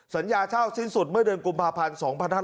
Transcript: สัญญาเช่าสิ้นสุดเมื่อเดือนกุมภาพันธ์๒๕๖๒